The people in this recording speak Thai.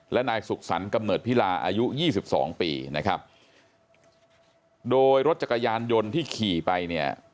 และนายสุขสรรค์กำเนิดพิลาอายุยี่สิบสองปีนะครับโดยรถจักรยานยนต์ที่ขี่ไปเนี่ย